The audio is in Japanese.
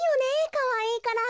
かわいいから。